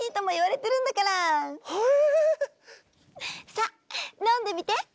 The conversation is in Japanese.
さあ飲んでみて。